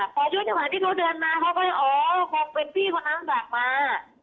พอช่วยเฉพาะที่เขาเดินมาเขาก็เลยอ๋อคงเป็นพี่คนนั้นสั่งมา